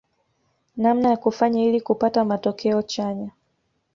Namna ya kufanya ili kupata matokeo chanya